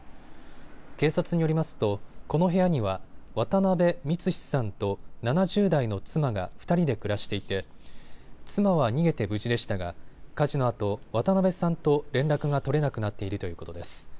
警察によりますとこの部屋には渡邊三士さんと７０代の妻が２人で暮らしていて妻は逃げて無事でしたが火事のあと渡邊さんと連絡が取れなくなっているということです。